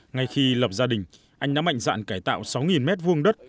ngay khi lập gia đình anh đã mạnh dạn cải tạo sáu mét vuông đất